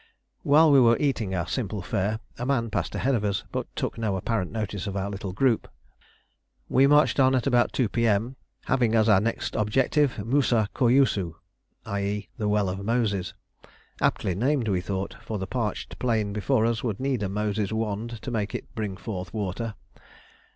While we were eating our simple fare, a man passed ahead of us, but took no apparent notice of our little group. We marched on at about 2 P.M., having as our next objective Mousa Kouyousou, i.e., the Well of Moses: aptly named we thought, for the parched plain before us would need a Moses' wand to make it bring forth water.